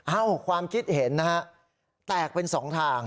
เอ้าความคิดเห็นนะฮะแตกเป็นสองทาง